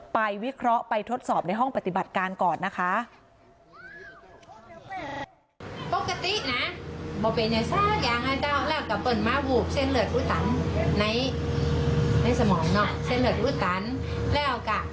วิเคราะห์ไปทดสอบในห้องปฏิบัติการก่อนนะคะ